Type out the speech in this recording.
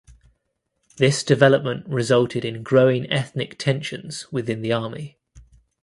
This development resulted in growing ethnic tensions within the army.